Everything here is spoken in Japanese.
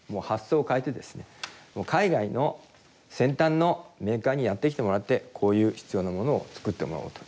海外の先端のメーカーにやって来てもらってこういう必要なものを作ってもらおうと。